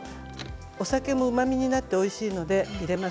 それとお酒もうまみになっておいしいので入れます。